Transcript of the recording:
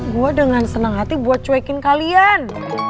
gue dengan senang hati buat cuekin kalian